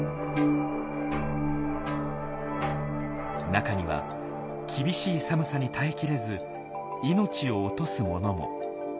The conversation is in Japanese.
中には厳しい寒さに耐えきれず命を落とす者も。